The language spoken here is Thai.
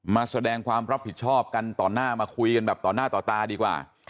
มาแสดงความรับผิดชอบกันต่อหน้ามาคุยกันแบบต่อหน้าต่อตาดีกว่า